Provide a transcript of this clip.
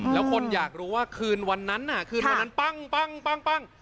แล้วคนอยากรู้ว่าคืนวันนั้นน่ะคืนวันนั้นปั้ง